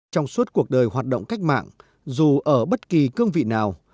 trong suốt cuộc đời hoạt động cách mạng dù ở bất kỳ cương vị nào